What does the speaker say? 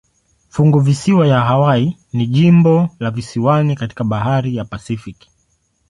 Funguvisiwa ya Hawaii ni jimbo la visiwani katika bahari ya Pasifiki.